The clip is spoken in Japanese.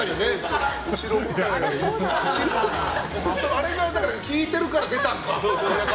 あれが聴いてるから、出たのか。